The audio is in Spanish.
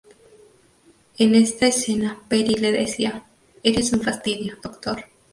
En esta escena, Peri le decía "Eres un fastidio, Doctor".